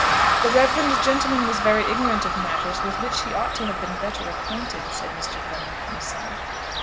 "The reverend gentleman was very ignorant of matters with which he ought to have been better acquainted," said Mr. Fenwick himself.